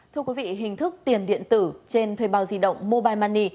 thưa quý vị hình thức tiền điện tử trên thuê bao di động mobile money